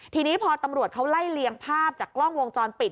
ทีนี้พอตำรวจเขาไล่เลียงภาพจากกล้องวงจรปิด